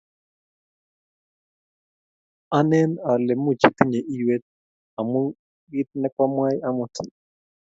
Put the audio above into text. Anen ale much itinye iywet amu kit nekwamwa amut